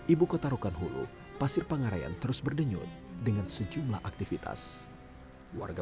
ibu kota rokan hulu pasir pangarayan terus berdenyut dengan sejumlah aktivitas warga